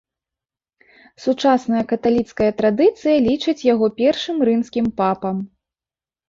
Сучасная каталіцкая традыцыя лічыць яго першым рымскім папам.